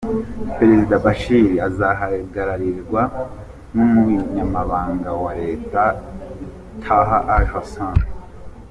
Perezida Bashir azahagararirwa n’Umunyamabanga wa Leta, Taha al-Hussein.